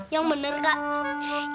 yang bener kak